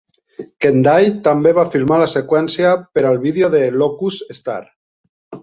Kendall també va filmar la seqüència per al vídeo de "Locust Star".